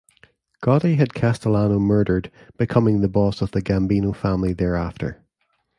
Gotti had Castellano murdered, becoming the boss of the Gambino family thereafter.